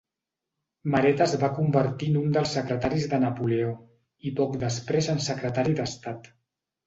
Maret es va convertir en un dels secretaris de Napoleó i poc després en secretari d'Estat.